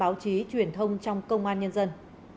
báo chí truyền thông trong công an nhân dân